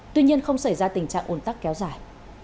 tuy nhiên không xảy ra tình trạng ồn tắc kéo dài